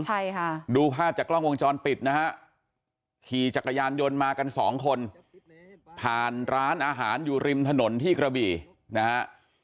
ใช่ค่ะดูภาพจากกล้องวงจรปิดนะฮะขี่จักรยานยนต์มากันสองคนผ่านร้านอาหารอยู่ริมถนนที่กระบี่นะฮะ